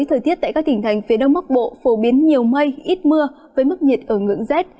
thời tiết tại các tỉnh thành phía đông bắc bộ phổ biến nhiều mây ít mưa với mức nhiệt ở ngưỡng rét